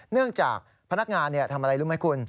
เนื่องจากพนักงานทำอะไรรู้ไหมคุณ